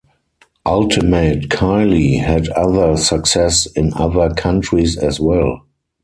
"Ultimate Kylie" had other success in other countries as well.